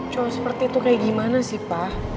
cowok seperti itu kayak gimana sih pak